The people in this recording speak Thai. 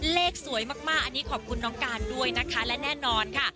เลขสวยมากอันนี้ขอบคุณน้องการด้วยนะคะและแน่นอนค่ะ